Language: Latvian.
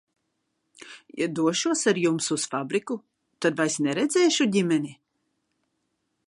Ja došos ar jums uz fabriku, tad vairs neredzēšu ģimeni?